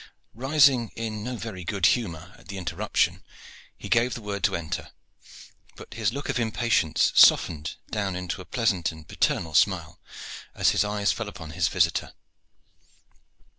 Rising in no very good humor at the interruption, he gave the word to enter; but his look of impatience softened down into a pleasant and paternal smile as his eyes fell upon his visitor.